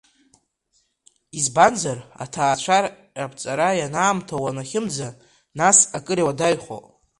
Избанзар, аҭаацәа раԥҵара ианаамҭоу уанахьымӡа, нас акыр иуадаҩхоит…